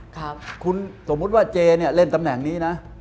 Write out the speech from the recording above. คุณสมมติว่าเจนี่แน่นตำแหน่งนี้นะ